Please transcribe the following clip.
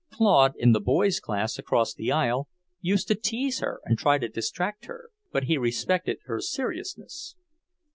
Claude, in the boys' class across the aisle, used to tease her and try to distract her, but he respected her seriousness.